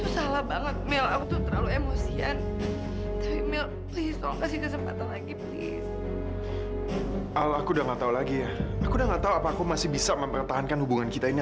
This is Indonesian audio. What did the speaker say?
sampai jumpa di video selanjutnya